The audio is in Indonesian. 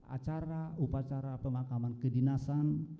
acara upacara pemakaman kedinasan